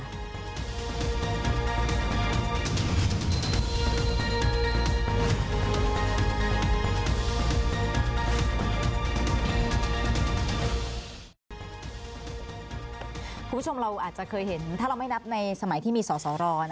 คุณผู้ชมเราอาจจะเคยเห็นถ้าเราไม่นับในสมัยที่มีสอสอรอ